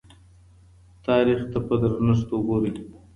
تاریخ ته په درنښت وګورئ.